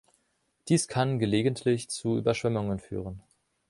Dies kann gelegentlich zu Überschwemmungen führen.